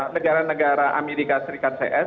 negara negara amerika serikat cs